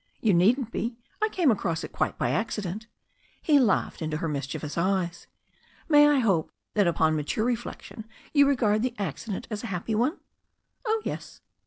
"You needn't be. I came across it quite by accident." He laughed into her mischievous eyes. "May I hope that upon mature reflection you regard the accident as a happy one." "Oh, yes."